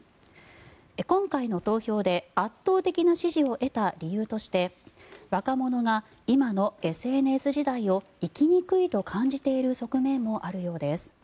今回の投票で圧倒的な支持を得た理由として若者が今のＳＮＳ時代を生きにくいと感じている側面もあるようです。